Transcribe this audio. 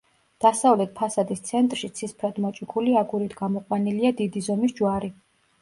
დასავლეთ ფასადის ცენტრში ცისფრად მოჭიქული აგურით გამოყვანილია დიდი ზომის ჯვარი.